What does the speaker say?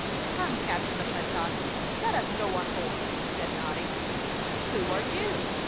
"Come, Captain McClintock, let's go on board," said Noddy. "Who are you?"